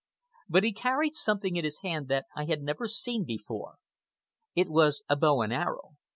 But he carried something in his hand that I had never seen before. It was a bow and arrow.